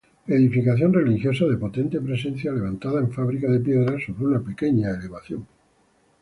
Edificación religiosa de potente presencia levantada en fábrica de piedra sobre una pequeña elevación.